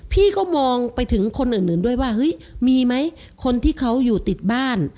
พี่ก็มองไปถึงคนอื่นด้วยว่าเฮ้ยมีไหมคนที่เขาอยู่ติดบ้าน